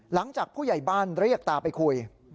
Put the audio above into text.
หลังจากผู้ใหญ่บ้านเรียกตาไปคุย